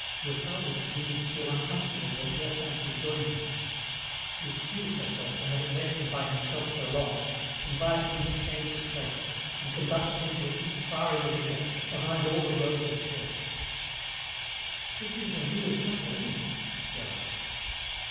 Durtal was beginning to feel uncomfortable when Hyacinthe rejoined him. She excused herself for having left him by himself so long, invited him to change his place, and conducted him to a seat far in the rear, behind all the rows of chairs. "This is a real chapel, isn't it?" he asked.